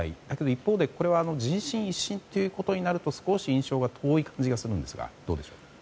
一方で人心一新ということになると少し印象が遠い感じがするんですがどうでしょう？